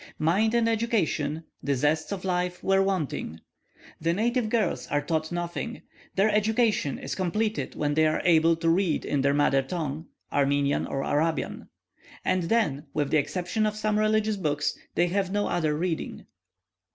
Mind and education, the zests of life, were wanting. The native girls are taught nothing; their education is completed when they are able to read in their mother tongue (Armenian or Arabian), and then, with the exception of some religious books, they have no other reading.